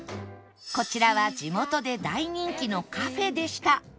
こちらは地元で大人気のカフェでした